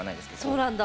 そうなんだ。